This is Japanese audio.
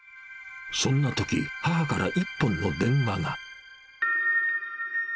そんなとき、母から一本の電話が。